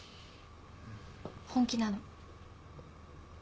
本気なの。